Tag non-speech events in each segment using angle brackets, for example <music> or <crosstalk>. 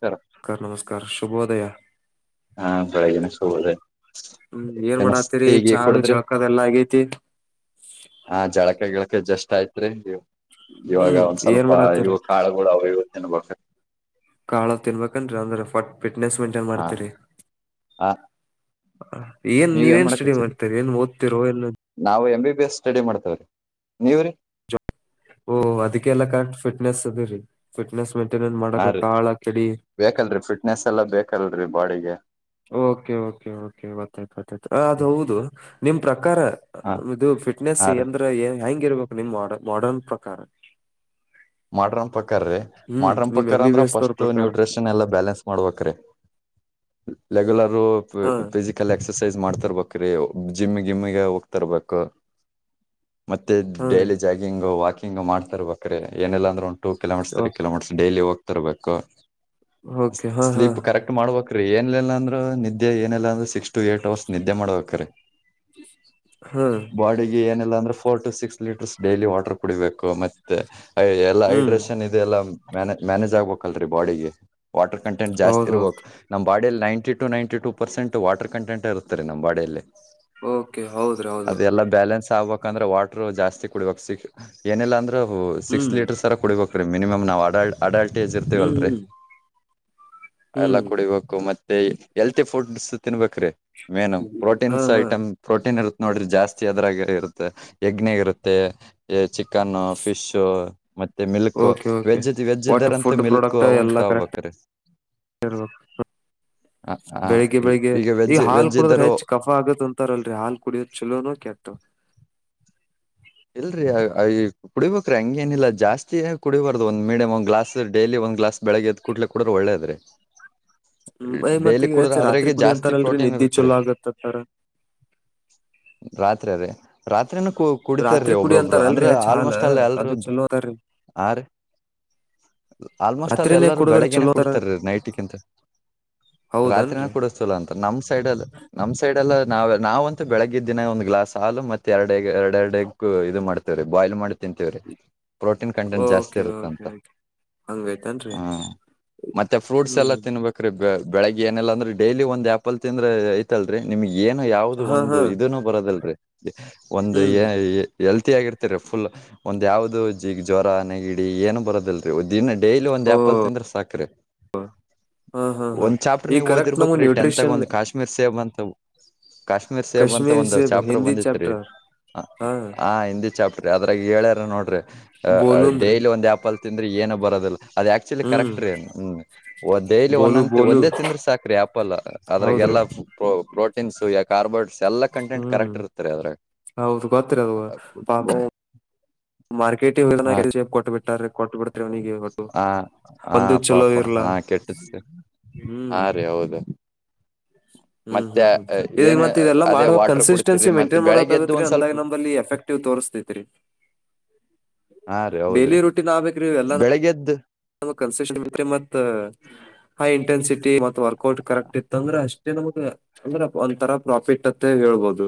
ಸ <inaudible> ಅಕ್ ನಮಸ್ಕಾರ ಶುಭೋದಯ ಬೆಳಗಿನ ಶುಭೋದಯ ಹ್ಮ್ ಏನ್ ಏನ ಮಾಡತ್ತರಿ ಟೀಗಿ ಚಾ ಕುಡುದ್ರಿ ಜಳಕದ ಎಲ್ಲಾ ಆಗೇತಿ ಆ ಜಳಕ ಗಿಗಳ ಜಷ್ಟ್ ಆಯತ್ರಿ ನೀವು ಇವಾಗ ಹ್ಮ್ ಒಂದ್ ಏನ್ ಸ್ವಲ್ಪ ಮಾಡಾತಿರಿ ಇವು ಕಾಳುಗಳು ಅವವು ಇವತ್ತು ತಿನ್ಬೇಕ ಕಾಳ ತಿನ್ಬೇಕನ್ ಅಂದ್ರ ಫ ಫಿಟ್ನೆಸ್ ಮೈಂಟೈನ್ ಹಾ ಮಾಡ್ತರಿ ಹ ಏನ್ ನೀವ್ ನೀವ ಏನ್ ಮಾಡಕ್ ಸ್ಟಡಿ ಹಚ್ಚಿದ್ರಿ ಮಾಡ್ತೀರ ಏ ಓದ್ತಿರೋ ಏನ್ ನಾವು M B B S study ಮಾಡ್ತೇವ್ರೀ ನೀವ್ರೀ ಓಹ ಅದಕ್ಕೆಲ್ಲಾ ಕಾಣ ಫಿಟ್ನೆಸ್ ಅದರಿ ಫಿಟ್ನೆಸ್ ಮೇಂಟೈನೆನ್ ಹಾ ಮಾಡಕ ರೀ ಕಾಳಕಡಿ ಬೇಕಲ್ರರಿ ಫಿಟ್ನೆಸ್ ಎಲ್ಲಾ ಬೇಕಲ್ರರಿ ಬಾಡಿಗೆ ಓಕೆ ಓಕೆ ಓಕೆ ಒತ್ತತತ ಅದ ಹೌದು ನಿಮ್ ಪ್ರಕಾರ ಹ ಇದು ಫಿಟ್ನೆಸ್ ಹಾ ರೀ ಅಂದ್ರ ಹೆಂಗ ಇರ್ಬೇಕು ನಿಮ್ ಮಾಡ ಮಾಡರ್ನ್ ಪ್ರಕಾರ ಮಾಡಡ್ರನ್ ಪಕ್ಕಕಾರ ರೀ ಹ್ಮ್ ಮಾಡ್ರನ್ ನಿಮ್ ಎಂ ಪಕ್ಕಾರ್ ಬಿ ಬಿ ಅಂದ್ರ ಎಸ್ ದವ್ರ ಫಸ್ಟ್ ಪ್ರಕಾರ ನ್ಯೂಟ್ರಿಷನ್ ಎಲ್ಲ ಬ್ಯಾಲೆನ್ಸ್ ಮಾಡ್ಬೇಕ್ರಿ ರೆಗುಲರ್ ಹಾ ಫಿಸಿಕಲ್ ಎಲ್ಲ ಎಕ್ಸರ್ಸೈಸ್ ಮಾಡ್ತರ್ಬೇಕ ಜಿಮ್ ಗಿಮಗೆ ಹೋಗ್ತರ್ಬೇಕಕ್ ಮತ್ತೆ ಹಾ ಡೈಲಿ ಜಾಗಿಂಗ್ ವಾಕಿಂಗ್ ಮಾಡ್ತರ್ ಬೇಕ್ರ ಏನಲ್ಲ ಅಂದ್ರ ಒಂದು ಟೂ ಓಕೆ ಕಿಲೋಮೀಟರ್ಸ್. ಡೈಲಿ ಹೋಗ್ತಿರಬೇಕು ಓಕೆ ಹಾ ಹಾ ಸ್ಲೀಪ್ ಕರೆಕ್ಟ್. ಮಾಡ್ಬೇಕ್ರೀ ಏನಿಲ್ಲಲ್ಲ ಅಂದ್ರೆ ನಿದ್ದೆ ಏನಿಲ್ಲಲ್ಲ ಅಂದ್ರೆ ಸಿಕ್ಸ್ಟಿ ಏ ಅವರ್ಸ್ ನಿದ್ದೆ ಮಾಡಬೇಕ್ರೀ ಹಾ ಬ. ಏಲ್ಲ ಅಂದ್ರೆ four to six litres daily water ಕುಡಿಬೇಕು ಮತ್ತೆ ಎಲ್ಲಾ ಹ್ಮ್ ಹೈಡ್ರೇಷನ್ ಇದೆಲ್ಲ ಮ್ಯ ಮ್ಯಾನೇಜ್ ಆಗ್ಬೇಕಕ್ ಅಲ್ರರಿ ಬಾಡಿಗೆ ವಾಟರ್ ಕಂಟೆಂಟ್ ಜಾಸ್ತಿ ಇರ್ಬೇಕ. ಹೌದೌದು ನಮ್ಮಬಾಡಿಯಲ್ಲಿ ನೈನ್ಟ ಟ ninety two percent water content ಇರುತ್ತ ರ ನಮ್ಮ ಬಾಡಿಯಲ್ಲಿ ಓಕೆ ಹೌದ್ರ ಹೌದು ಅದೆಲ್ಲಾ ಬ್ಯಾಲೆನ್ಸ್ ಆಗ್ಬೇಕಂದ್ರೆ ವಾಟರು ಜಾಸ್ತಿ ಕುಡಬೇಕು ಸಿಕ್ ಏನಿಲ್ಲ ಅಂದ್ರೂ ಸಿಕ್ಸ್ ಹ್ಮ್ ತರ ಕುಡಿಬೇಕು ರೀ ಮಿನಮ ನಾ ಆಡಾಡ್ ಅಡಲ್ಟ್ ಏಜ್ ಇರ್ತೀವ ಹ್ಮ್ ಅಲ್ರರಿ ಹ್ಮ್ ಎಲ್ಲಾ ಹ್ಮ್ ಕುಡಿಬೇಕು ಮತ್ತೆ ಹೆಲ್ತಿ ಫುಡ್ಸ್ ತಿನ್ಬೇಕ್ರೀ ಮೇನ್ ಹಾ ಪ್ರೋಟೀನ್ಸ್ ಹಾ ಐಟಮ್ ಪ್ರೋಟೀನ್ ಇರುತ್ತೆ ನೋಡ್ರಿ ಜಾಸ್ತಿ ಅದ್ರಾಗ ಇರುತ್ತೆ ಯಗ್ ಇರುತ್ತೆ ಈ ಚಿಕನ್ನು ಫಿಶು ಮತ್ತೆ milk okay okay veg veg ಒಟ್ ಇದ್ದಾರಂತ ಫುಡ್ ಮಿಲ್ಕ್ ಪ್ರಾಡಕ್ಟ್ ಅವನು ಎಲ್ಲಾ ಕರೆಕ್ಟ್ ತಗೋಬೇಕ್ರಿ <unintelligible> ಬೆಳಿಗ್ಗೆ ಬೆಳಿಗ್ಗೆ ಈಗ ಈ ವೆಜ್ ಹಾಲ್ ವೆಜ್ ಕುಡದ್ರೆ ಇದ್ದರು ಹೆಚ್ಚ ಕಫಾ ಆಗತ್ ಅಂತಾರಲ್ರಿ ಹಾಲ್ ಕುಡಿಯೋದ ಚಲೋನೋ ಕೆಟ್ಟ ಇಲ್ರರಿ ಕುಡಿಯಬೇಕು ರಿ ಹಂಗೇನಿಲ್ಲ ಜಾಸ್ತಿ ಕ ಕುಡಿಯಬಾರದು ಒಂದ ಮೀಡಿಯಂ ಒಂದು ಗ್ಲಾಸ್ ಡೇಲಿ ಒಂದು ಗ್ಲಾಸ್ ಬೆಳಗ್ಗೆದ ಕುಡುದರೇ ಒಳ್ಳೇದ ಹ್ಮ್ ಏ ಮತ್ತ ಡೈಲಿ ಈಗ ಕುೂಡ್ರ ಹೆಚ್ಚ ರಾತ್ರಿ ಅದ್ರಾಗ ಕುಡಿ ಜಾಸ್ತಿ ಅಂತಾರಲ್ರಿ ಪ್ರೋಟೀನ್ ನಿದ್ದಿ ಇರುತ್ರಿ ಚಲೋ ಆಗತ್ತ ಅಂತಾರ ರಾತ್ರಿ ಅದೇ ರಾತ್ರಿನ ಕೂ ಕುಡಿತಾರೀ ರಾತ್ರಿ ಕುಡಿ ಒಬ್ರೊಬ್ರು ಅಂತಾರಲ್ರಿ ಅಂದ್ರ ಹೆಚ್ಚ ಹಾಲ ಆಲ್ಮೋಸ್ಟ್ ಅಲ್ಲ ಎಲ್ರುೂ ಅದು ಚಲೋ ಅದಾರಿ ಆ ರೀ ಆಲ್ಮೋಸ್ಟ್ ರಾತ್ರಿನೇ ಎಲ್ಲರೂ ಕುಡುದ್ರ ಬೆಳಿಗ್ಗೆ ನೇ ಚಲೋ ಅದಾರ ಕುಡತಾರೀ ನೈಟ್ ಗಿಂತ ಹೌದಾ <unintelligible> ಚಲೋ ಅಂತ ನಮ್ ಸೈಡ್ ಅಲ್ಲಿ ನಮ್ ಸೈಡ್ ಎಲ್ಲ ನಾವ್ ನಾವಂತೂ ಬೆಳಗ್ಗಿದ್ದಿನ ಒಂದ್ ಗ್ಲಾಸ್ ಹಾಲು ಮತ್ತೆ ಎರಡು ಎರಡೆರಡು ಎಗು ಇದು ಮಾಡ್ತೇವ್ರಿ ಬಾಯ್ಲ್ ಮಾಡಿ ತಿಂತೇವ್ರಿ ಪ್ರೋಟೀನ್ ಕಂಟೆಂಟ್ ಜಾಸ್ತಿ ಓಕೆ ಇರುತ್ತೆ ಓಕೆ ಅಂತ ಓಕೆ ಹಂಗೈತನ್ರಿ ಹಾ ಮತ್ತೆ ಫ್ರೂಟ್ಸ್ ಹ್ಮ್ ಎಲ್ಲಾ ತಿನ್ಬೇಕ್ರೀ ಬೆಳಗ್ ಏನೆಲ್ಲ ಅಂದ್ರೆ ಡೈಲಿ ಒಂದು ಆಪಲ್ ತಿಂದ್ರೆ ತ್ತಲ್ರರಿ ನಿಮ್ಗೆ ಏನು ಯಾವ್ದ ಹಾ ಒಂದು ಹಾ ಇದನು ಬರದಲ್ರರಿ ಒಂದು ಹ್ಮ್ ಏ ಹೆಲ್ತಿ ಆಗಿರ್ತ ರ ಫುಲ್ ಒಂದ್ ಯಾವ್ದು ಜ್ವರ ನೆಗಿಡಿ ಏನು ಬರದಲ್ರರಿ ಒ ದಿನ್ ಡೈಲಿ ಒಂದು ಓ ಆ್ಯಪಲ್ ತಿಂದ್ರೆ ಸಾಕ್ರೆ ಹಾ ಹಾ ಹಾ ಒಂದ್ ಚಾಪ್ರರ್ ಈ ನೀವು ಕರೆಕ್ಟ್ ಓದಿರ್ಬೇಕ್ ನಮಗ್ ರೀ ಟೆಂತ್ ನ್ಯೂಟ್ರಿಷನ್ ಆಗ ಒಂದು ಕಾಶ್ಮೀರ್ ಸೇಬ ಅಂತ ಕಾಶ್ಮೀರ್ ಸೇಬು ಅಂತ ಕಾಶ್ಮೀರಿ ಒಂದು ಸೇಬ್ ಚಾಪರು ಹಿಂದಿ ಬಂದಿತ್ರಿ ಚಾಪ್ಟರ್ ಹಾ ಹಾ ಹಿಂದಿ ಚಾಪ್ಟರ್ ಅದ್ರಾಗ ಹೇಳ್ಯಾರ ನೋಡ್ರಿ ಬೋಲುಂದ್ರಿ ಡೈಲಿ ಒಂದ ಆ್ಯಪಲ್ ತಿಂದ್ರ ಏನನು ಬರೋದಿಲ್ಲ ಅದು ಆಕ್ಚುಲಿ ಹ್ಮ್ ಕರೆಕ್ಟರೀ ನ್ ಹ್ಮ ಒ ಡೈಲಿ ಬೋಲು ಒಂದಂದ ಬೋಲು ಒಂದೇ ತಿಂದ್ರ ಸಾಕ್ರಿ ಆ್ಯಪಲ್ ಹೌದ್ರಿ ಅದ್ರಾಗೇಲ್ಲಾ ಪ್ರ ಪ್ರೋಟೀನ್ಸ್ ಯ ಕಾರ್ಬೋಡ್ಸ್ ಎಲ್ಲಾ ಕಂಟೆಂಟ್ ಹ್ಮ್ ಕರೆಕ್ಟ್ ಇರ್ತಾರ ಆದ್ರಾಗ ಹೌದು ಗೊತ್ತರಿ ಅದು ಪಾಪ ಮಾರ್ಕೆಟೇ ಕೊಟ್ಟಬಟ್ಟಾರ ಕೊಟ್ಟುಬಿಡ ಹಾ ಹಾ ಚಲೋ ಪಪ್ಪಾ ಇರ್ಲಾ ಹಾ ಕೆಟ್ಟ ಅನ ಹಾ ಹ್ಮ್ ರೀ ಹೌದು <inaudible> ಹ್ಮ್ ಮತ್ತೆ ಹ್ಮ್ ಹ್ಮ್ ಈ ಏನ ಮತ್ತ ಇದೆಲ್ಲ ಅದೇ ಮಾಡಬೇಕ ವಾಟರ್ ಕುಡಿತಿರಿ ಕನ್ಸಿಸ್ಟೆನ್ಸಿ ಮತ್ತೆ ಮೈಂಟೈನ್ ಬೆಳಗ್ಗೆದ್ದು ಮಾಡಬೇಕಾಗತ್ರಿ ಒಂದ್ ಸ್ವಲ್ಪ ಅಂದಾಗ ನಂಬಲ್ಲಿ ಎಫೆಕ್ಟ್ ತೋರಿಸಸ್ತೈತ್ರಿ ಹಾ ರೀ ಹೌದ್ರೀ <unintelligible> ಎಲ್ಲಾ ನೂ ಕನ್ಸಿಸ್ಟೆನ್ಸಿ ಮತ್ ಹೈ ಇಂಟೆನ್ಸಿಟಿ ಮತ್ತ ವರ್ಕೌಟ್ ಕರೆಕ್ಟ್ ಇತ್ತ ಅಂದ್ರೆ ಅಷ್ಟೇ ನಮಗೆ ಅಂದ್ರ ಒಂದ್ ತರಾ ಪ್ರಾಫಿಟ್ ಅತ್ತೆ ಹೇಳ್ಬೋದು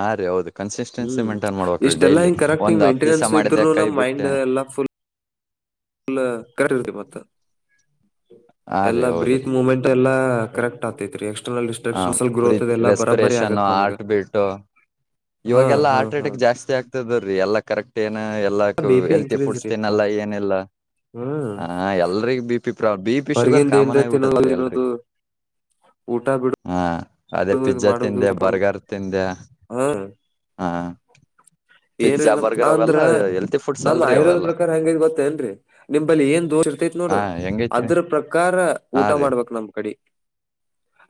ಹಾ ರೀ ಹೌದು ಕನ್ಸಿಸ್ಟೆನ್ಸಿ ಹ್ಮ್ ಮೇಂಟೈನ್ ಮಾಡ್ಬೇಕ್ರಿ ಇಷ್ಟೆಲ್ಲ ಡೈಲಿ ಹಿಂಗ ಕರೆಕ್ಟ್ ಒಂದ್ ಹತ್ ದಿವ್ಸ ಮೈಂಟೆನೆನ್ಸ್ ಮಾಡಿದೆ ಇದ್ರು ಕೈ ನಮ್ ಮೈಂಡ್ ಬಿಟ್ಟೆ ಎಲ್ಲ ಫುಲ್ ಮ ಹಾ ರೀ ಎಲ್ಲಾ ಬ್ರೀತ್ ಹೌದ್ರಿ ಮೂಮೆಂಟ್ ಎಲ್ಲ ಕರೆಕ್ಟ್ ಆಗತೈತ್ರಿ ಎಕ್ಸ್ಟರ್ನಲ್ ಹ <unintelligible> ಗ್ರೋತ್ ಬ್ರೀತ್ ಇದೆಲ್ಲಾ ಬರಾಬರಿ ರೆಸ್ಪಿರೇಷನ್ ಆಗತ್ ನಮಗ ಹಾ ಇವಾಗಲ್ಲ ಹಾ ಹಾ ಆಟ್ರೆಟಕ್ ಜಾಸ್ತಿ ಆಗ್ತ ಎಲ್ಲಾ ಕರೆಕ್ಟ್ ಏನು ಎಲ್ಲ B P healthy increase foods ರೀಪಾ ತಿನಲ್ಲಾ ಏನಿಲ್ಲ ಹ್ಮ್ ಹ ಹಾ ಎಲ್ರಿಗ B P ಪ್ರಾಬ್ B P sugar ಹೊರಗಿಂದ ಕಾಮನ್ ಏನ್ರ ತಿನ್ನೋದು ಆಗಿಬಟ್ಟತ್ರಿ ಎಲ್ರಿಗ್ ತಿನ್ನೋದು ಊಟ ಬಿಡೋದು ಹಾ ಅದೇ ಪಿಜ್ಜಾ ತಿಂದೆ ಬರ್ಗರ್ ತಿಂದೆ ಹ್ಮ ಹಾಂ ಏನ್ ನಮ ಅಂದ್ರ ಹೆಲ್ತಿ ಫುಡ್ಸ್ ನಮ್ ಅಲ್ರಿ ಆಯುರ್ವೇದ್ ಅವೆಲ್ಲ ಪ್ರಕಾರ ಹೆಂಗ ಗೊತ್ತೇಏನ್ರರಿ ನಿಮಲ್ಲಿ ಏನ್ ದೋಷ ಇರ್ತತ್ ಹಾ ನೋಡು ಹೆಂಗೈತ್ರಿ ಅದ್ರ ಪ್ರಕಾರ ಹಾ ಊಟ ರೀ ಮಾಡ್ಬೇಕಕ್ ನಮ ಕಡೆ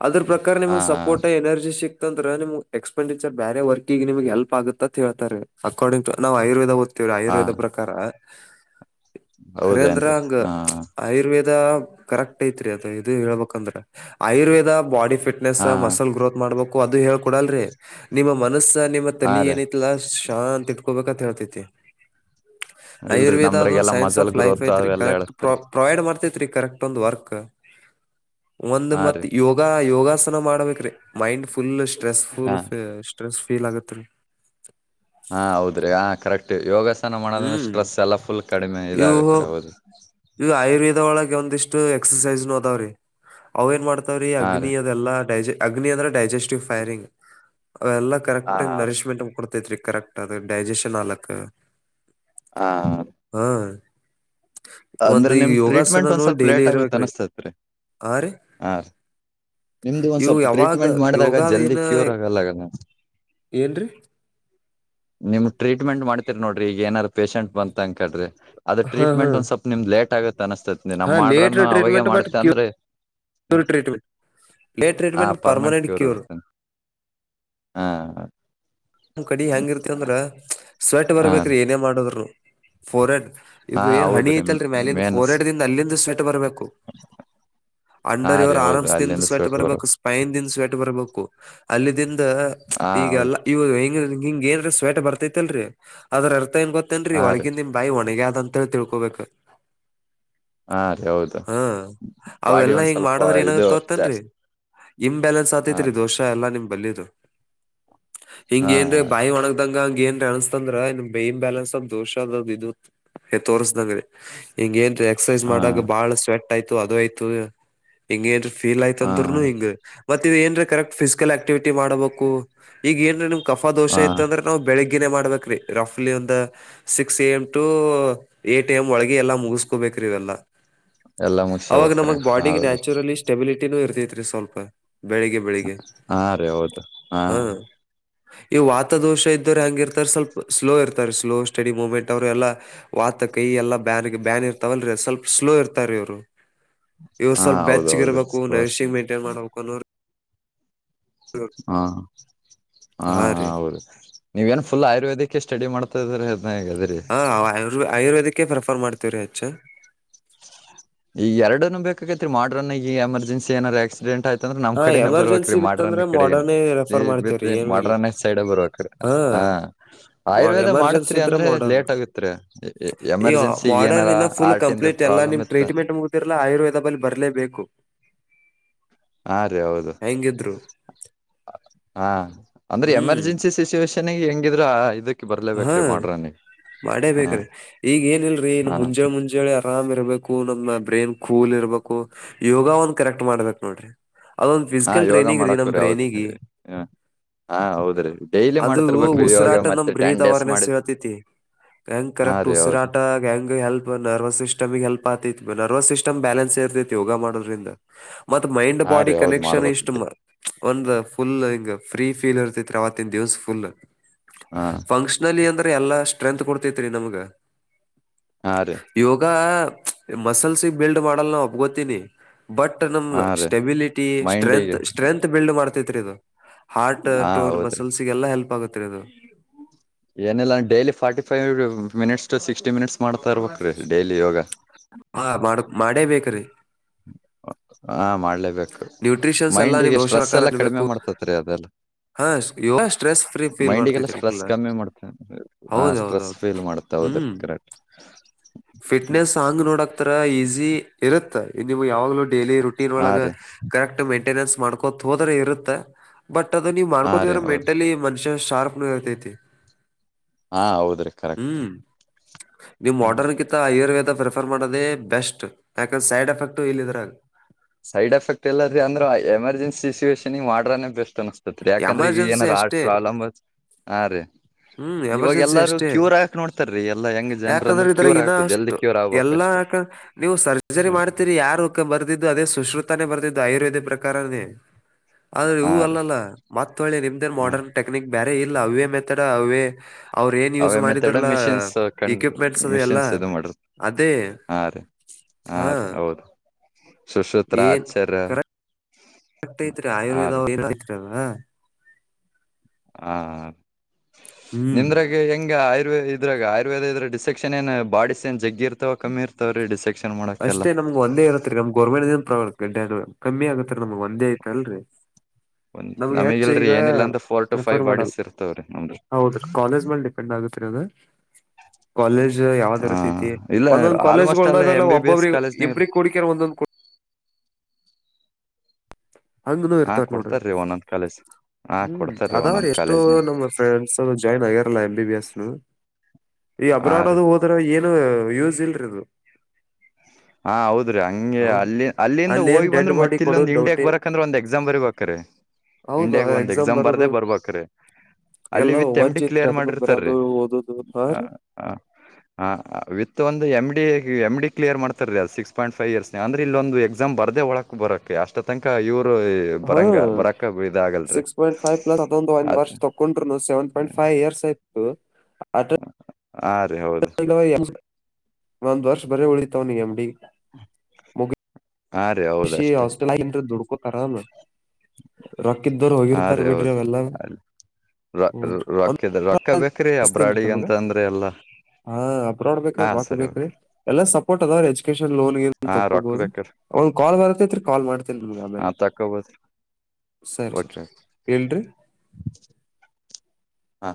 ಅದ್ರ ಪ್ರಕಾರ ಹಾ ನಿಮಗ್ ಸಪೋರ್ಟ್ ಎನರ್ಜಿ ಸಿಕ್ ನಿಮ ಎಕ್ಸ್ಪೆಂಡಿಚರ್ ಬೇರೆ ವರ್ಕ್ಗೆಗಮಗೆ ಎಲ್ಪ್ ಆಗುತ್ತೆ ಅ ಹೇಳ್ತಾರೆ ಅಕಾರ್ಡಿಂಗ್ ಟ ನಾವು ಆಯುರ್ವೇದ ಹಾ ಆಯುರ್ವೇದ ಪ್ರಕಾರ ಖರೆ ಅಂದ್ರ ಹೌದೇನ್ರಿ ಹಂಗ ಹಾ ಆಯುರ್ವೇದ ಕರೆಕ್ಟ್ ಐತ್ರಿ ಅದು ಇದು ಹೇಳ್ಬೇಕಂದ್ರ ಆಯುರ್ವೇದ ಬಾಡಿ ಫಿಟ್ ಟ್ನೆಸ್ ಹಾ ಮಸಲ್ ಗ್ರೋತ್ ಮಾಡ್ಬೇಕು ಅದು ಹೇಳ್ಕೊಡಲ್ರೀ ನಿಮ್ಮ ಮನಸ್ಸ ನಿಮ್ಮ ಹಾ ತಲಿ ರೀ ಏನೈತಿಲ್ಲ ಚಾನ್ ತಿಟ್ಕೋಬೇಕಂತ ಹೇಳ್ತೇತಿ ಇಲ್ರಿ ಆಯುರ್ವೇದ ಅದೊಂದು ನಮ್ದ್ರಾಗೆಲ್ಲಾ science muscle of life growth ಐತ್ ರರಿ ಅವೆಲ್ಲಾ ಕರೆಕ್ಟ್ ಪ್ರ ಹೇಳತ್ರಿ ಪ್ರೊವೈಡ್ ಮಾಡ್ತೈತ್ ರೀ ಕರೆಕ್ಟ್ ವರ್ಕ್ ಒಂದು ಹಾ ಮ ರೀ ಯೋಗ ಯಗ ಯೋಗಾಸನ ಮಾಡ್ಬೇಕ ರೀ ಮೈಂಡ್ ಫುಲ್ ಸ್ಟ್ರೆಸ್ ಫುಲ್ ಹಾ ಸ್ಟ್ರೆಸ್ ಫೀಲ್ ಆಗತ್ ಹಾ ಹೌದ್ರಿ ಹ ಕರೆಕ್ಟ್ ಯೋಗಾಸನ ಮಾಡೋದ್ರೆ ಹ್ಮ್ ಸ್ಟ್ರೆಸ್ ಎಲ್ಲ ಫುಲ್ ಕಡಿಮೆ ಇದಾಗತ್ ರರಿ ಹೌದುರಿ ಈಗ ಆಯುರ್ವೇದ ಒಳಗೆ ಒಂದಿಷ್ಟು ಎಕ್ಸಸೈಸ್ ನೋದಾವ್ರೀ ಅವ ಏನ್ ಮಾಡ್ತಾವ್ರೀ ಹಾ ರೀ ಅಗ್ನಿ ಅದೆಲ್ಲಾ ಡೈಜೆ ಅಗ್ನಿ ಅಂದ್ರೆ ಡೈಜೆಸ್ಟಿವ್ ಫೈರಿಂಗ್ ಅವೆಲ್ಲ ಹಾ ಕರೆಕ್ಟ್ ಹಾ ರೀ ನರಿಶ್ಮೆಂಟ್ ಕೊಡ್ತೈತ್ರಿ ಕರೆಕ್ಟ್ ಅ ಡೈಜೆಷನ್ ಅಲಕ್ ಹಾ ಹಾ ಒಂದ್ ಅಂದ್ರೆ ಈಗ ನಿಮ್ ಟ್ರೀಟ್ಮೆಂಟ್ ಒಂದ್ ಯೋಗಾಸನನು ಸ್ವಲ್ಪ ಡೈಲಿ ಲೇಟ್ ಆಗ ಇರ್ಬೇಕ್ರಿ ಅನಸ್ತ್ ರೀ ಹಾ ರೀ ಹಾ ರೀ ನಿಮ್ದು ಒಂದ್ ಇವು ಸ್ವಲ್ಪ ಯಾವಾಗ ಟ್ರೀಟ್ಮೆಂಟ್ ಮಾಡಿದಾಗ ಯೋಗಾದ ಜಲ್ದಿ ಏನ ಕ್ಯೂರ್ ಆಗಲ್ಲಗನ ಏನ್ರೀ ನಿಮ್ ಟ್ರೀಟ್ಮೆಂಟ್ ಮಾಡ್ತೀರಿ ನೋಡ್ರಿ ಈಗಏನಾರ್ ಪಷೆಂಟ್ ಬಂತ ಅಂಕ ಹೇಳ್ರಿ ಅದ ಹಾ ಹಾ ಟ್ರೀಟ್ಮೆಂಟ್ ಒಂದ ಸ್ವಲ್ಪ ನಿಮ್ದ್ ಲೇಟ್ ಆಗುತ್ತೆ ಅನಿಸಸ್ತೈತಿಿ ಹಾ ನಮ್ಮ್ ಲೇಟ್ ಮಾಡ್ರನು ಅವಾಗ ಟ್ರೀಟ್ಮೆಂಟ್ ಬಟ್ ಮಾಡುತ್ತೆ ಅಂದ್ರೆ ಕ್ಯೂರ್ ಟ್ರೀಟ್ಮೆಂಟ್ ಲೇಟ್ ಹ ಟ್ರೀಟ್ಮೆಂಟ್ ಪರ್ಮಂಟ್ ಪರ್ಮನೆಂಟ್ ಕ್ಯೂರ್ ಇರುತೇನೆ ಹಾ ನಮ್ ಕಡಿ ಹೆಂಗ ಇರ್ತಿ ಅಂದ್ರ ಸ್ವೆಟ್ ಹಾ ಬರ್ಬೇಕ್ರಿ ಏನೇ ಮಾಡದ್ರು ಫೋರ್ ಎಡ್ ಹಾ ಇದು ಏನ್ ಹಣಿ ಹೌದ್ರಿ ಐತಲ್ರರಿ ಮ ಅಲ್ಲಿಂದ ಫೋರ್ ಮೇನಸ್ ಏಡ್ ದಿಂದ ಅಲ್ಲಿಂದ ಸ್ವೆಟ್ ಬರ್ಬೇಕು ಹಾ ಅಂಡರ್ ರೀ ಇವರ್ ಹೌದು ಆರಾಮ್ಸ್ ದಿಂದ ಅಲ್ಲಿಂದ ಸ್ವೆಟ್ ಬರ ಬರ್ಬೇಕು ಸ್ಪೈನ್ ದಿಂದ ಸ್ವೆಟ್ ಬರ್ಬೇಕು ಅಲ್ಲಿ ದಿಂದ ಹಾ ಹೌದು ಈಗಲ್ಲ ಇವ ಹಂಗ ಹಿಂಗ ಏನ್ ರಿ ಸ್ವೇಟರ್ ಬರ್ತೈತೆಲ್ರಿ ಅದ್ರ ಇರ್ತ ಏನ್ ಗೊತ್ತೇನ್ರಿೀ ಹಾ ರೀ ಒಳಗಿಂದ ಬಾಯಿ ಒಣಗ ಅ ಆದ ಅಂತ ಹೇಳಿ ತಿಳ್ಕೊಬೇಕು ಹಾ ರೀ ಹೌದು ಹಾ ಬಾಡಿ ಅವೆಲ್ಲಾ ಒಂದ್ ಹಿಂಗ ಸ್ವಲ್ಪ ಮಾಡದ್ರ ಏನಾದ ಇದು ತೋರ್ತನ್ರಿ ಜಾಸ್ತಿ ಇಮಂಬ್ಯಾಲೆನ್ಸ್ ಹ ಆತೈತ್ರಿ ದೋಷ ಎಲ್ಲಾ ನಿಮ್ ಬಲ್ಲಿದು ಹಾ ಹಿಂಗಗೆನ್ ಭಯ ಒಣಗ ಅಂಗ ಹಂಗ ಏನ್ ಅಣಸ್ತಂದ್ರ ನಿನ್ ಬನ್ ಬ್ಯಾಲೆನ್ಸ್ ಅದ ದೋಷ ಅದ್ ಇದ ಎ ತೋರ್ಸ್ದಂಗ ಹಿಂಗ ಏನ್ ಎಕ್ಸಸೈಜ ಹಾ ಮಾಡಾಗ ಬಾಳ ಸ್ವೆಟ್ ಆಯ್ತು ಅದು ಆಯ್ತು ಹಿಂಗ ಏನ್ ಫೀಲ್ ಆಯತ ಹಾ ಅಂದ್ನು ಹಿಂಗ ಮತ್ ಇವ ಏನ್ ರಿ ಕರೆಕ್ಟ್ ಫಿಸಿಕಲ್ ಆಕ್ಟಿವಿಟಿ ಮಾಡ್ಬೇಕು ಈಗ ಏನ್ ರಿ ನಿಮ್ ಕಫಾ ದೋಸ ಹಾ ಐತ್ತ ಅಂದ್ರೆ ನ ಬೆಳಿಗ್ಗಿನೇ ಮಾಡ್ಬೇಕ್ರೀ ರಫ್ಲಿ ಒಂದು six A M to eight T M ಒಳ ಎಲ್ಲ ಮುಗಿಸಕೋಬೇಕ ಇಲ್ಲ ಎಲ್ಲಾ ಮುಗಸ ಅವಾಗ ನಮ ಹೋಗ್ರಿ ಬಾಡಿ ಹೌದು ನ್ಯಾಚುರಲಿ ಸ್ಟೆಬಿಟಿನೂ ಇರ್ತೈತ್ ರರಿ ಸ್ವಲ್ಪ ಬೆಳಿಗ್ಗೆ ಬೆಳಿಗ್ಗೆ ಹಾ ರೀ ಹೌದು ಹಾ ಈವ ವಾತ ದೋಷ ಇದ್ದ್ರೆ ಹೆಂಗ ಇರ್ತಾರೆ ಸ್ವಲ್ಪ ಸ್ಲೋ ಇರ್ತಾರೆ ಸ್ಲೋ ಸ್ಟಡಿ ಮೂಮೆಂಟ್ ಅವ್ರರು ಎಲ್ಲಾ ವಾತ ಕೈ ಎಲ್ಲಾ ಬ್ಯನ್ಗೆ ಬ್ಯಾನ್ ಇರ್ತಾವಲ್ರರಿ ಸ್ವಲ್ಪ ಸ್ಲೋ ಇರ್ತಾರೀ ಇವರು ಇವ್ರ ಹಾ ಸ್ವಲ್ಪ ಹೌದ ಬ್ಯಾಚ್ಗ ಹೌದ್ರೀ ಇರಬೇಕು ಸ್ಲೋ ನರಿಶಿಂಗ್ ಮೈಂಟೈನ್ ಮಾಡಬೇಕು ಅನ್ನೋ ಹಾ ಹಾ ರೀ ಹ ಹೌದು ನೀವೇನ್ ಫುಲ್ ಆಯುರ್ವೇದಕ್ಕೆ ಸ್ಟಡಿ ಮಾಡ್ತ ಮತ್ತದ್ರ ಅದ್ಗದ್ರೀ ವ ಆಯುರ್ವೇದಿಕಕ್ಕೆ ಪ್ರೆಫರ್ ಮಾಡ್ತೀವಿ ರೀ ಅಚ್ಚು ಈಗ ಎರಡೂ ಬೇಕೈತಿತ್ರಿ ಮಾಡ್ರನ ಈಗಮರ್ಜನ್ಸಿಏನಾರ ಆಕ್ಸಿಡೆಂಟ್ ಆಯತತಿ ಅತ್ತಂದ್ರ ನಮ್ ಹಾ ಕಡೆನ ಬರ್ಬೇಕಕ್ ರೀ ಎಮರ್ಜೆನ್ಸಿ ಮಾಡ್ರನ್ ಬಿತ್ತಂದ್ರ ಕಡೆ ಏನ್ ಮಾಡರ್ನೇ ರೆಫರ್ ಮಾಡ್ತೇವ್ರಿ ಏನು ಇಲ್ಲ ಮಡ್ರನ್ ಸೈಡ್ ಬರ್ಬೇಕ ರೀ ಹಾ ಹ ಆಯುರ್ವೇದ ಎಮರ್ಜೆನ್ಸಿ ಮಾಡತ್ರಿ ಇದ್ರ ಅಂದ್ರೆ ಮಾಡರ್ನ್ ಲೇಟ್ ಆಗತ್ರಿ ಎಮರ್ಜೆನ್ಸಿ ಏನಾರ ಆರ್ಟಿಂದ ಎಲ್ಲ ನಿಮ ಟ್ರೀಟೆಂಟ್ ಮುಗುದಿಲ್ಲಲ್ಲ ಆಯುರ್ವೇದ ಬರಲೇಬೇಕು ಹಾ ರೀ ಹೌದು ಹೆಂಗಿದ್ರು ಹ ಅಂದ್ರೆ ಹ್ಮ್ ಎಮರ್ಜೆನ್ಸಿ ಸಿಚುುವೇಷನ್ ಹೆಂಗಿದ್ರು ಇ ಹಾ ಹಾ ಮಾಡೇಬೇಕ್ರೀ ಈಗ ಏನಲ್ರರಿನ್ನು ಹಾ ಮುಂಜೆ ಮುಂಜೆ ಿ ಆರಾಮ್ ಇರ್ಬೇಕು ನಮಮ್ಮ ಬ್ರೈನ್ ಕೂಲ್ ಇರ್ಬೇಕು ಯೋಗ ಒಂದ್ ಕರೆಕ್ಟ್ ಮಾಡ್ಬೇಕಕ್ ನೋಡ್ರಿ ಅದೊಂದ್ ಹಾ ಫಿಸಿಕಲ್ ಯೋಗ ಟ್ರೈನಿಂಗ ರೀ ನಮ್ ಮಾಡಕೂರಿ ಹೌದು ಬ್ರೈನಿಿಗೆಿ ಹ ಹಾ ಹೌದ್ರೀ ಡೈಲಿ ಮಾಡ್ತರ್ಬೇಕಕ್ ಇವಾಗ ಉಸಿರಾಟ ಮತ್ತೆ ಟೆನ್ <unintelligible> ಡೇಸ್ ಅವೇರ್ನೆಸ್ ಮಾಡಿದ್ ಹೇಳ್ತೈತಿ ಹಾ ಕರೆಕ್ ರೀ ಉಸಿರ ಹೌದು ಹೆಂಗಗೆ ಹೆಲ್ಪ್ ನರ್ವಸ್ ಸಿಸ್ಟಮ್ಗೆ ಹೆಲ್ಪ್ ಆತಿತ್ ನರ್ವಸ್ ಸಿಸ್ಟಮ್ ಬ್ಯಾಲೆನ್ಸ್ ಇರ್ತಿೈತ್ ಯೋಗ ಮಾಡೋದ್ರಿಂದ ಮತ್ತತ್ ಮೈಂಡ್ ಹಾ ಬಾಡಿ ರೀ ಹೌದ್ ಕನೆಕ್ಷನ್ ಇಷ್ಟು ಮಾಡ್ಬೇಕಿ ಮ ಒಂದು ಫುಲ್ ಹಂಗ ಫ್ರೀ ಫೀಲ್ ಇರ್ತೈತ್ ಅವವತ್ತಿನ ದಿವ್ಸ ಫುಲ್ ಹಾ ಫಂಕ್ಷನಲಿ ಅಂದ್ರೆ ಎಲ್ಲಾ ಸ್ಟ್ರೆಂತ್ ಕೊಡ್ತೇತ್ರಿ ನಮ್ಗ ಹಾಂ ರೀ ಯೋಗ ಮಸಲ್ಸ್ ಬಿಲ್ಡ್ ಮಾಡಲ್ ನಾ ಒಪ್ಗೋತೀಿನಿ ಬಟ್ ನಮ್ದ ಹಾ ರೀ ಸ್ಟೆಬಿಲಿಟಿ ಸ್ಟ್ರೆಂತ್ ಮೈಂಡಿಗೆ ಸ್ಟ್ರೆಂತ್ ಬಿಲ್ಡ್ ಮಾಡ್ತೇತ್ರಿ ಇದು ಹಾರ್ಟ್ ಹಾ ್ಟೋನ್ ಹೌದ್ರಿ ಮಸಲ್ಸ್ಗೆಲ್ಲಾ ಹೆಲ್ಪ್ ಆಗತ್ರಿ ಅದು ಏನಿಲ್ಲಲ್ಲ ೈಲಿ forty five minutes to sixty minutes ಮಾಡ್ತಾ ಇರ್ಬೇಕಕ್ ರೀ ಡೈಲಿ ಯೋಗ ಹಾ ಮಾಡ ಮಾಡೇ ಬೇಕ್ರೀ ಹಾ ಮಾಡ್ಲೇಬೇಕು ನ್ಯೂಟ್ರಿಷನ್ಸ್ ಎಲ್ಲಾ ನಿಮ್ ಮೈಂಡ್ಿಗೆ ಸ್ಟ್ರೆಸ್ ಪೋಷಕಾಹಾರ ಎಲ್ಲಾ ಕಡಿಮೆ ತಿನ್ಬೇಕು ಮಾಡ್ತೇತ್ ರೀ ಅದೆಲ್ಲ ಹಾ ಯೋಗ ಸ್ಟ್ರೆಸ್ ಫ್ರೀ ಫೀಲ್ ಮೈಂಡಿಗೆಲ್ಲ ಮಾಡ್ತೈತ್ರಿ ಸ್ಟ್ರೆಸ್ ಫುಲ್ ಕಮ್ಮಿ ಮಾಡ್ತ ಹ ಹೌದ್ ಹೌದ್ ಸ್ಟ್ರೆಸ್ ಹೌದ್ ಫೀಲ್ ಮಾಡ್ತನೆ ಹೌದ ರ ಹ್ಮ್ ಕರೆಕ್ಟ್ ಫಿಟ್ನೆಸ್ ಹಂಗ್ ನೋಡಕ್ತರ ಈಸಿ ಇರತ್ತ ನೀವು ಯಾವಾಗ್ಲೂ ಡೈಲಿ ರುಟೀನ್ ಹಾ ಒಳಗ ರೀ ಕರೆಕ್ಟ್ ಮೇಂಟೆನೆನ್ಸ್ ಮಾಡ್ಕೋ ಹೋದ್ರೆ ಇರುತ್ತ ಬಟ್ ಅದ ನೀವ್ ಹಾ ರೀ ಮಾಡ್ಕೋತ್ರ ಹೌದ್ರಿ ಮೆಂಟಲಿ ಮನುಷ್ಯ ಶಾರ್ಪ್ ನ ಇರ್ತೈತಿ ಹಾ ಹೌದ್ರಿ ಕರೆಕ್ಟ್ ಹ್ಮ್ ನೀವು ಹ್ಮ್ ಮೋಡರ್ನ್ ಆಯುರ್ವೇದ ಪ್ರಿಫರ್ ಮಾಡೋದೇ ಬೆಸ್ಟ್ ಯಾಕಂದೆ ಸೈಡ್ ಎಫೆಕ್ಟ್ ಇಲ್ಲ ಇದ್ರಾಗ ಸೈಡ್ ಎಫೆಕ್ಟ್ ಎಲ್ಲ ರೀ ಅಂದ್ರೆ ಎಮರ್ಜೆನ್ಸಿ ಸಿಚುುವೇಷನ್ಿ ಮಾಡ್ರಾನೇ ಬೆಸ್ಟ್ ಅನ್ ಸತ್ರಿ ಯಾಕಂದ್ರೆ ಈಗ ಎಮರ್ಜೆನ್ಸಿ ಏನಾರ್ ಆ ಅಷ್ಟೇ ಪ್ರಾಬ್ಲಮ್ ಹಾ ರೀ ಹ್ಮ್ ಇವಾಗ ಎಮರ್ಜೆನ್ಸಿ ಎಲ್ಲಾರೂ ಅಷ್ಟೇ ಕ್ಯೂರ್ ಹಾಕ್ ನೋಡ್ತಾರೀ ಎಲ್ಲಾ ಹೆಂಗ್ ಜನ್ರ ಯಾಕಂದ್ರ ಅಂದ್ರೆ ಇದ್ರಾಗ ಕ್ಯೂರ್ ಇನ್ನ ಹಾಕು ಜಲ್ದಿ ಅಷ್ಟು ಕ್ಯೂರ್ ಆಗ್ಬೇಕಕ್ ಎಲ್ಲಾ ಅಷ್ಟೆ ಯಾಕ ನೀವು ಸರ್ಜರಿ ಮಾಡ್ತಿೀರಿ ಯಾರು ಬರ್ದಿದ್ದು ಅದೇ ಸುಶ್ರುತಾನೇ ಬರ್ದಿದ್ದು ಆಯುರ್ವೇದ ಪ್ರಕಾರನೇ ಆದ್ರೆ ಹಾ ಇವು ರೀ ಅಲ್ಲಲ್ಲ ಮತ್ತ ಒಳ್ಳೆ ನಿಮ್ದೇ ಹ ಮಾಡರ್ನ್ ಟೆಕ್ನಿಕ್ ಬೇರೆ ಇಲ್ಲ ಅವೇ ಮೇತ ಅವೇ ಅವ್ರ ಏನ್ ಯೂಸ್ ಅವೇ ಮೆಥಡ್ ಮಾಡಿದ್ರಲ್ಲ ಮಿಷಿನ್ಸ್ ಕಂಡ್ ಇಕ್ವಿಪ್ಮೆಂಟ್ಸ್ ಅದು ಎಲ್ಲಾ ಮಿಷಿನ್ಸ್ ಇದು ಮಾಡ್ರ ಅದೇ ಹಾ ರೀ <inaudible> ಹಾ ರೀ ಹೌದು ಸುಶೂತ್ರಾ ಏನ್ ಆಚಾರ್ಯ ಕರೆಕ್ಟ್ ಐತ್ರಿ ಆಯುರ್ವೇದ ಆರ್ <unintelligible> ಆ ಹ್ಮ್ ನಿಂದ್ರಾಗ ಹೆಂಗ್ ಆಯುರ್ವೇದ ಇದ್ರಾಗ ಆಯುರ್ವೇದ ಇದ್ರೆ ಡಿಸೆಕ್ಷನ್ ಏನ್ ಬಾಡೀಸ್ ಏನ್ ಜಗ್ಗಿರ್ತಾವ ಕಮ್ಮಿ ಇರ್ತಾವ ರೀ ಡಿಸೆಕ್ಷನ್ ಮಾಡೋಕೆಲ್ಲ ಒಂದೆ ಇರತ್ರಿ ನಮ್ ಗೋರ್ಮೆಂಟದಿಂದ್ ಕಮ್ಮಿ ಆಗತ್ರಿ ನಮ್ ಒಂದ ಐತಲ್ರಿ ಒಂದ್ ನಮ್ಗೆ ಹೆಚ್ಚು ನಮಗಿಲ್ರಿ ಈಗ ಏನಿಲ್ಲ ಅಂದ್ರ ಫೋರ್ ಟು ಫೈವ್ ಪ್ರಿಫೆರ ಮಾಡಲ್ ಬಾಡಿಸ್ ಇರ್ತವ್ರೀ ನಮ್ದು ಹೌದ್ರಿ ಕಾಲೇಜ್ ಮೇಲೆ ಡಿಪೆಂಡ್ ಡಿಪೆಂಡ್ ಆಗತ್ ರಿ ಅದ <unintelligible> ಕಾಲೆಜ್ ಯಾವ್ದ ಹಾ ಇರತತಿ ಇಲ್ಲ ಒಂದೊಂದ ಆಲ್ಮೋಸ್ಟ್ ಅಲ್ಲ ಕಾಲೇಜಗೊಳದಾಗನ ಎಂ ಬಿ ಬಿ ಎಸ್ ಒಬ್ಬೊಬ್ರ ಕಾಲೇಜ್ನಾಗ ಇಬ್ರಿಗೆ ಕುಡಿಕ್ಯಾರ್ ಒಂದೊಂದ ಹಂಗನು ಹಾ ಇರ್ತಾರ ನೋಡ್ರಿ. ಕೊಡ್ತಾರೀ ಒಂದೊಂದ್ ಕಾಲೇಜ್ ಹಾ ಹ್ಮ್ ಕೊಡ್ತಾರೀ ಅದಾವ್ರಿ ಒಂದೊಂದ್ ಎಷ್ಟೋ ಕಾಲೇಜ್ನಾಗ ನಮ್ಮ ಫ್ರೆಂಡ್ಸ್ ಜಾಯ್ನ್ ಆಗ್ಯಾರಲ್ಲ ಎಂ ಬಿ ಬಿ ಎಸ್ನು ಈ ಹಾ ಅಬ್ರಾಡ್ ರೀ ಅದು ಹೋದ್ರೆ ಏನು ಯೂಜ್ ಇಲ್ರಿ ಅದು ಹಾ ಹೌದ್ರೀ ಹಂಗೆ ಹೌದು ಅಲ್ಲಿ ಅಲ್ಲಿಂದ ಅಲ್ಲಿ ಏನ್ ಹೋಗಿ ಡೆಡ್ ಬಂದ್ರ ಬಾಡಿ ಮತ್ತ್ ಇಲ್ಲೊಂದು ಕೊಡೋದು ಇಂಡಿಯಾಗ್ ಡೌಟಿ ಬರಕ್ಂದ್ರೆ ಒಂದ್ ಎಕ್ಸಾಮ್ ಬರಿಬೆರ್ಕ್ರೀ ಹೌದು ಇಂಡಿಯಾಗ ಒಂದ್ ಎಕ್ಸಾಮ್ ಬರ್ದೇ ಬರೋದು ಬರಬೇಕ್ರಿ. ಅಲ್ಲಿ ಎಲ್ಲ ವಿತ್ ಎಮ್ ಡಿ ವಜ್ಜ ಐತ್ರಿ ಕ್ಲಿಯರ್ ಅದನ್ನು ಮಾಡಿರ್ತಾರಿ ಬರೋದು ಓದೋದು ಹಾ ಆ ರೀ ಆ ಹಾ ಹ ವಿತ್ ಒಂದ್ M D M D clear ಮಾಡ್ತಾರ್ರಿ ಅದ ಸಿಕ್ಸ್ ಪಾಯಿಂಟ್ ಫಾಯ್ ಇಯರ್ಸ್ ಅಂದ್ರೆ ಇಲ್ಲೊಂದು ಎಕ್ಸಾಮ್ ಬರ್ದೆ ಒಳಕ್ ಬರಕ್ಕೆಕ್ ಅಷ್ಟ ತನಕ ಇವರು ಹಾ ಬರಂಗಾ ಬರಾಕ್ಕ ಬೆ ಸಿಕ್ಸ್ ಪಾಯಿಂಟ್ ಫೈವ್ ಪ್ಲಸ್ ಅದೊಂದ ವರ್ಷ ತಕ್ಕೊಂಡ್ರುನು ಸೆವೆನ್ ಪಾಯಿಂಟ್ ಫೈವ್ ಇಯರ್ಸಿ ಹ ಅದು <unintelligible> ಹಾರಿ ಹೌದ ರಿ. <unintelligible> ಒಂದ್ ವರ್ಷ ಬರೀ ಉಳಿತಾವ ನಿ ಎಮ್ ಡಿ ಗೆ <unintelligible> ಹೌದ ಅಷ್ಟೇ ಹಾಸ್ಟೆಲ್ ಆಗಿನ್ ದುಡ್ಕೋತಾರ ಹೌದಿಲ್ ರೊಕ್ಕ ಇದ್ದವರ್ರು ಹಾ ಹೋಗಿರ್ತಾರ ರೀ ಬಿಡ್ರಿ ಹೌದು ಅವೆಲ್ಲ ಅಲ್ಲಿ ರೊ ರೊ ರೊಕ್ಕಿದ್ರ ರೊಕ್ಕ ಬೇಕ್ರಿ ಅಬ್ರಾಡಿಗೆ ನಮಗ ಅಂತ ಅಂದ್ರೆ ಎಲ್ಲಾ ಹಾ ಅಬ್ರಾಡ್ ಬೇಕರ ಹಾ ರೋಕ್ ಸರಿ ಬೇಕ್ರೀ ಓಕೆ ಎಲ್ಲಾ ಸಪೋರ್ಟ್ ಅದಾವ್ರಿ ಎಜುಕೇಶನ್ ಲೋನ್ ಗಿನ್ ಹಾ ರೊಕ್ಕ ತೊಕ್ಕೊಬೊದು. ಬೇಕ್ರೀ ಒಂದ್ ಕಾಲ್ ಬರಾತೈತ್ರಿ ಕಾಲ್ ಮಾಡ್ತಿನಿ ನಿಮಿಗ್ ಆಮೇಲೆ. ಹಾ ತಕಬ ಸರಿ ರಿ ಇಡಲ್ರೀ. ಹಾ